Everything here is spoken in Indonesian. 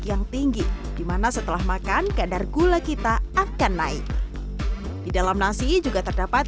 yang tinggi dimana setelah makan kadar gula kita akan naik di dalam nasi juga terdapat